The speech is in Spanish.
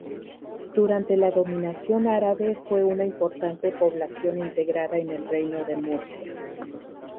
Durante la dominación árabe fue una importante población integrada en el Reino de Murcia.